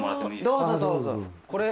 どうぞどうぞ。